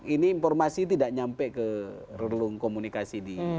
ini informasi tidak nyampe ke relung komunikasi di